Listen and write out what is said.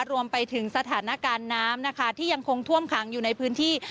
รวมไปถึงสถานการณ์น้ำนะคะที่ยังคงท่วมขังอยู่ในพื้นที่